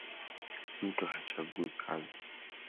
Mtu hachagui kazi